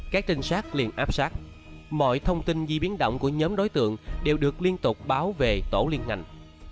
các trinh sát liên áp sát mọi thông tin di biến động của nhóm đối tượng đều được liên tục báo về tổ liên ngành